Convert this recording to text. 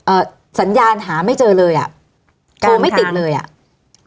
สัญญาณหาไม่เจอเลยอ่ะโทรไม่ติดเลยอ่ะ